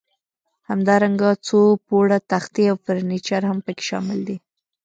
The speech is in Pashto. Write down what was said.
همدارنګه څو پوړه تختې او فرنیچر هم پکې شامل دي.